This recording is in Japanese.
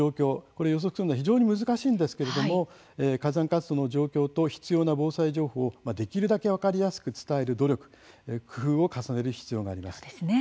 これ予測するのは、非常に難しいんですけれども火山活動の状況と必要な防災情報をできるだけ分かりやすく伝える努力、工夫を重ねる必要があります。